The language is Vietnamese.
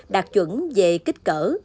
đạt chuẩn về kích cỡ